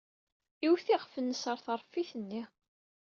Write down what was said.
Iwet iɣef-nnes ɣer tṛeffit-nni.